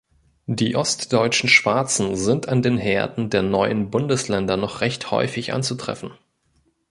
Die Ostdeutschen Schwarzen sind an den Herden der neuen Bundesländer noch recht häufig anzutreffen.